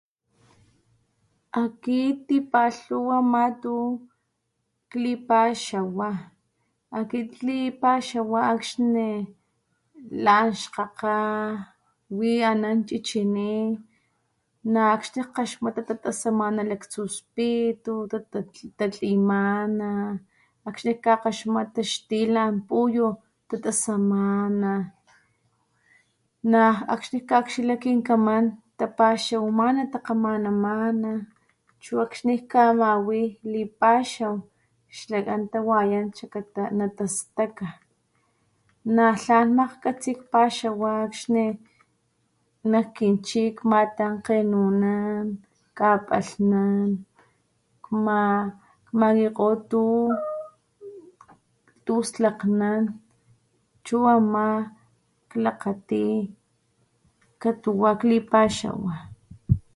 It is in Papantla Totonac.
Akit tipalhuwa ama tu klipaxawa, akit klipaxawa akxni lan xkgaka, wi anan chichiní, na'akxni kgaxmata tatasamana laktsu spitu tatlimana, akxni jkakgaxmata xtilan, puyu tatasamana, na akxni jkakxila kinkaman tapaxawamana, takgamanamana chu akxni jkamawi lipaxaw xlakan tawayan xlakata natastaka, natlan makgkgatsi kpaxawa akxni nak kinchik matankgenunan, kapalhnan, kma kmakikgo tu tuslakgnan chu ama klakgati katuwa klipaxawa.